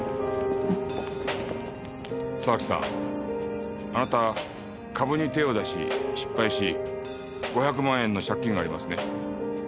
沢木さんあなた株に手を出し失敗し５００万円の借金がありますね？